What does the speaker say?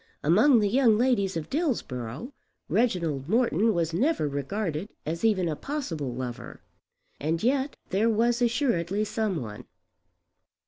Among the young ladies of Dillsborough Reginald Morton was never regarded as even a possible lover. And yet there was assuredly some one.